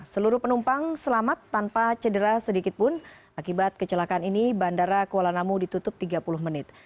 seluruh penumpang selamat tanpa cedera sedikitpun akibat kecelakaan ini bandara kuala namu ditutup tiga puluh menit